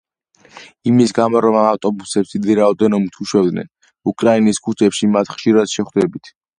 იმის გამო, რომ ამ ავტობუსებს დიდი რაოდენობით უშვებდნენ, უკრაინის ქუჩებში მათ ხშირად შეხვდებით.